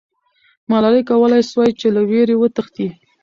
ملالۍ کولای سوای چې له ویرې وتښتي.